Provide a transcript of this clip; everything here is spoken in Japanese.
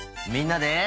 みんなで。